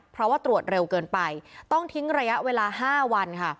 เพราะว่าตรวจเร็วเกินไปต้องทิ้งระยะเวลา๕วันค่ะ